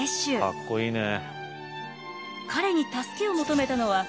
かっこいいね。